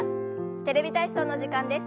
「テレビ体操」の時間です。